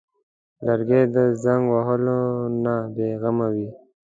لرګی د زنګ وهلو نه بېغمه وي.